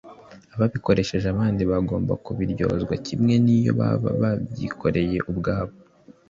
ababikoresheje abandi bagomba kubiryozwa kimwe n’iyo baba babyikoreye ubwabo